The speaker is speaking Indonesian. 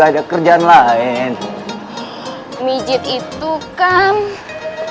aduh enak dong